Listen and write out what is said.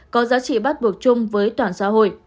có giá trị bắt buộc chung với toàn xã hội